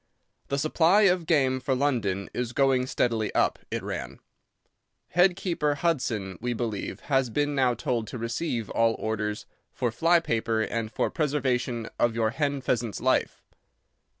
"The supply of game for London is going steadily up," it ran. "Head keeper Hudson, we believe, has been now told to receive all orders for fly paper and for preservation of your hen pheasant's life."